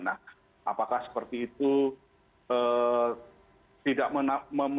nah apakah seperti itu